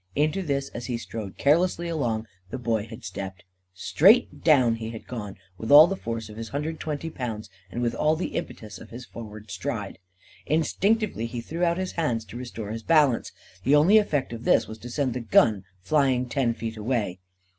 Into this, as he strode carelessly along, the Boy had stepped. Straight down he had gone, with all the force of his hundred and twenty pounds and with all the impetus of his forward stride. Instinctively, he threw out his hands to restore his balance. The only effect of this was to send the gun flying ten feet away.